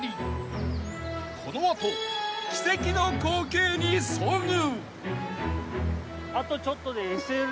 ［この後奇跡の光景に遭遇］